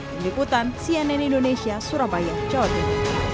meliputan cnn indonesia surabaya jawa timur